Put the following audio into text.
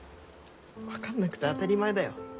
分かんなくて当たり前だよ。